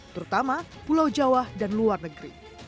terutama pulau jawa dan luar negeri